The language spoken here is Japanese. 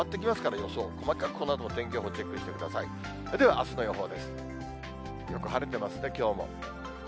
よく晴れてますね、きょうも。